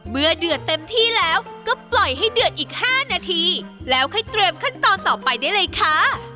เดือดเต็มที่แล้วก็ปล่อยให้เดือดอีก๕นาทีแล้วค่อยเตรียมขั้นตอนต่อไปได้เลยค่ะ